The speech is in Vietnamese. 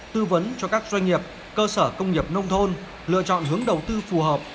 tư vấn cho các doanh nghiệp cơ sở công nghiệp nông thôn lựa chọn hướng đầu tư phù hợp